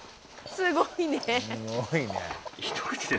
すごいね。